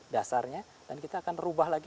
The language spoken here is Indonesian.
dasarnya dan kita akan rubah lagi